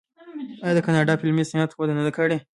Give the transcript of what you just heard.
آیا د کاناډا فلمي صنعت وده نه ده کړې؟